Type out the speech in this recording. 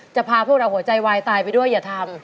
พาพวกเราหัวใจวายตายไปด้วยอย่าทำ